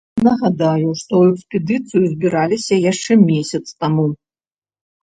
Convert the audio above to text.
Нагадаю, што ў экспедыцыю збіраліся яшчэ месяц таму.